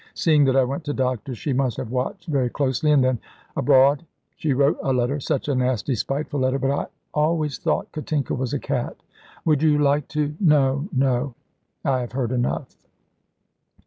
Seeing that I went to doctors she must have watched very closely and then abroad, she wrote a letter such a nasty, spiteful letter. But I always thought Katinka was a cat. Would you like to ?" "No, no; I have heard enough."